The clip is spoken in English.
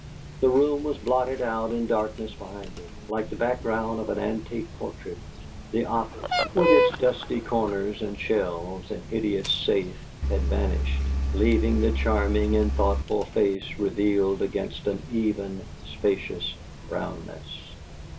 The room was blotted out in darkness behind her. Like the background of an antique portrait, the office, with its dusty corners and shelves and hideous safe, had vanished, leaving the charming and thoughtful face revealed against an even, spacious brownness.